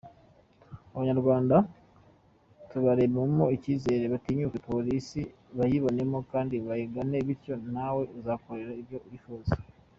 Abanyarwanda tubarememo icyizere batinyuke Polisi, bayibonemo kandi bayigane bityo natwe tubakorere ibyo bifuza.